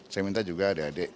saya minta juga adik adik